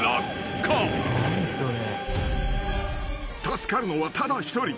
［助かるのはただ一人］